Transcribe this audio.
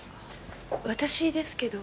私ですけど。